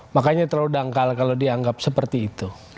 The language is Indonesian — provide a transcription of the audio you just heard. makanya terlalu dangkal kalau dianggap seperti itu